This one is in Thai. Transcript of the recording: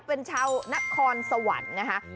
เป็นชาวนักคอร์นสวรรค์